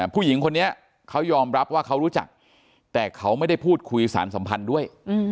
ผู้หญิงคนนี้เขายอมรับว่าเขารู้จักแต่เขาไม่ได้พูดคุยสารสัมพันธ์ด้วย